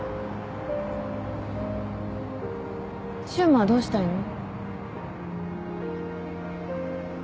柊磨はどうしたいの？